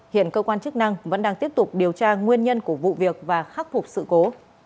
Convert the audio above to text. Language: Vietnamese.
hiện cơ quan chức năng vẫn đang tiếp tục điều tra nguyên nhân của vụ việc và khắc phục sự cố